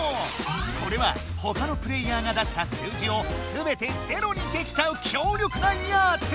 これはほかのプレーヤーが出した数字をすべてゼロにできちゃう強力なヤツ！